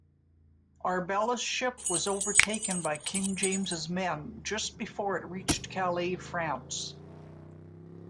Arbella's ship was overtaken by King James's men just before it reached Calais, France.